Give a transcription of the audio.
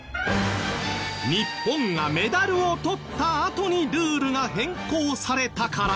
日本がメダルをとったあとにルールが変更されたから。